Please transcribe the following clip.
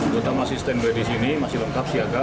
terutama sistemnya di sini masih lengkap siaga